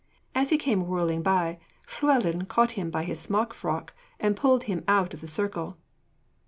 As he came whirling by, Llewellyn caught him by his smock frock and pulled him out of the circle.